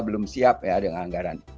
belum siap ya dengan anggaran